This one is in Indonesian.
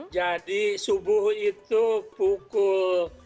jadi subuh itu pukul tiga lima